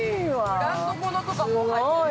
◆ブランド物とかも入ってるみたい。